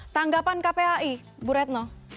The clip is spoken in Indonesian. tanggapan kpai bu retno